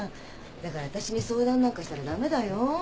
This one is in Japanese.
だから私に相談なんかしたら駄目だよ。